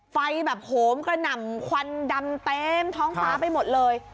ไฟแบบโหมกระหน่ำควันดำเต็มท้องฟ้าไปหมดเลย